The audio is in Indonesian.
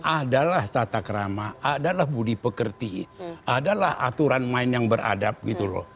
adalah tatak rama adalah budi pekerti adalah aturan main yang beradab gitu loh